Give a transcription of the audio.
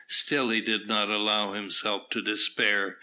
Still, he did not allow himself to despair.